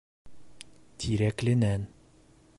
Тирәкленән.